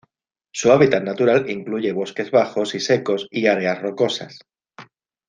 Su hábitat natural incluye bosques bajos y secos y áreas rocosas.